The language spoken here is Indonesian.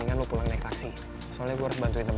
biar mereka kejar kita aja